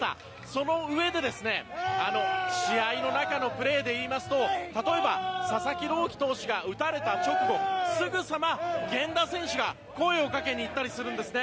そのうえで試合の中のプレーで言いますと例えば、佐々木朗希投手が打たれた直後すぐさま源田選手が声をかけに行ったりするんですね。